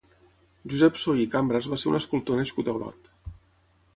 Josep Soy i Cambras va ser un escultor nascut a Olot.